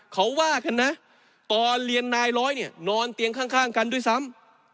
เขาว่ากันนะตอนเรียนนายร้อยเนี่ยนอนเตียงข้างกันด้วยซ้ำ